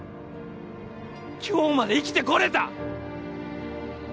今日まで生きてこれた！